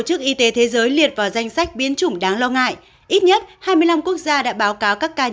chức y tế thế giới liệt vào danh sách biến chủng đáng lo ngại ít nhất hai mươi năm quốc gia đã báo cáo các ca